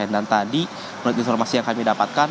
dan tadi menurut informasi yang kami dapatkan